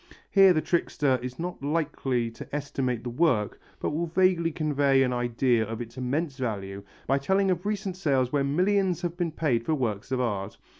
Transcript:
Here the trickster is not likely to estimate the work but will vaguely convey an idea of its immense value by telling of recent sales where millions have been paid for works of art.